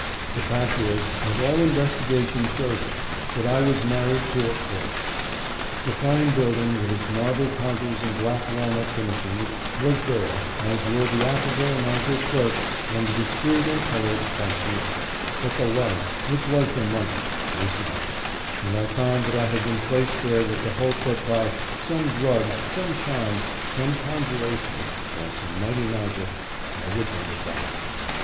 The fact is, and all investigation shows it, that I was married to a corpse. The fine building, with its marble counters and black walnut finishings, was there, as were the affable and agile clerks and the discreet and colored cashier : but the Life, which was the money, was gone, and I found that I had been placed there with the hope that by " some drugs, some charms, some conjura tion, or some mighty magic," I would bring it back.